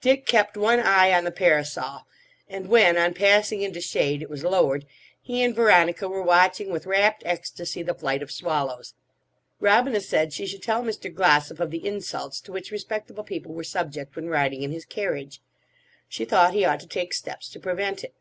Dick kept one eye on the parasol; and when, on passing into shade, it was lowered, he and Veronica were watching with rapt ecstasy the flight of swallows. Robina said she should tell Mr. Glossop of the insults to which respectable people were subject when riding in his carriage. She thought he ought to take steps to prevent it.